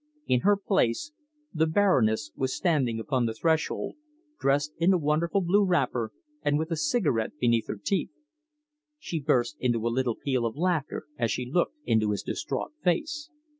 In her place, the Baroness was standing upon the threshold, dressed in a wonderful blue wrapper, and with a cigarette between her teeth. She burst into a little peal of laughter as she looked into his distraught face.